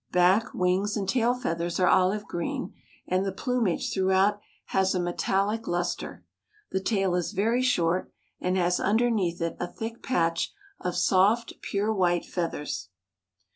Back, wings, and tail feathers are olive green, and the plumage throughout has a metallic lustre. The tail is very short, and has underneath it a thick patch of soft, pure white feathers.